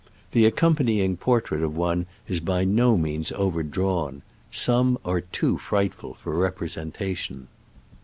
The accompanying portrait of one is by no means overdrawn : some are too fright ful for representation.